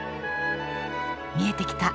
見えてきた。